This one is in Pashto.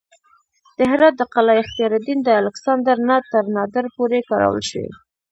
د هرات د قلعه اختیارالدین د الکسندر نه تر نادر پورې کارول شوې